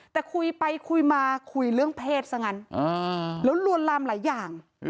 แต่คุยไปคุยมาคุยเรื่องเพศซะงั้นแล้วลวนลามหลายอย่าง